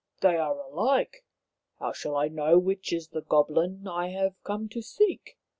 " They are alike. How shall I know which is the goblin I have come to seek